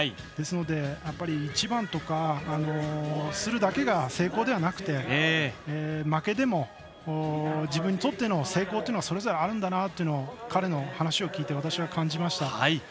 ですのでやっぱり一番とかだけが成功ではなくて、負けても自分にとっての成功というのはそれぞれあるんだなと彼の話を聞いて私は感じました。